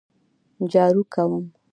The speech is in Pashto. جارو کوم